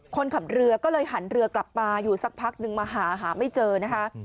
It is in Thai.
คนขับเรือก็เลยหันเรือกลับมาอยู่สักพักนึงมาหาหาไม่เจอนะคะ